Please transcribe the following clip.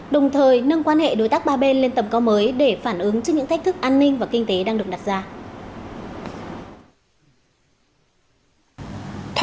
đồng thời nâng quan hệ đối tác ba bên lên tầm cao mới để phản ứng trước những thách thức an ninh và kinh tế đang được đặt ra